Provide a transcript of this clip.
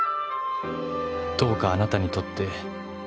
「どうかあなたにとって」